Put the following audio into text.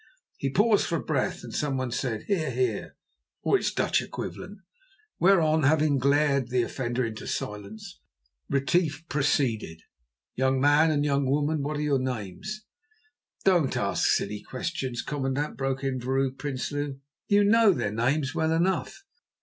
He paused for breath, and someone said, "Hear, hear," or its Dutch equivalent, whereon, having glared the offender into silence, Retief proceeded: "Young man and young woman, what are your names?" "Don't ask silly questions, commandant," broke in Vrouw Prinsloo; "you know their names well enough."